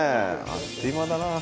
あっという間だなあ。